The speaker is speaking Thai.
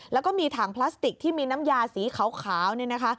แล้วก็มีถังพลาสติกที่มีน้ำยาสีขาวเนี่ยนะคะ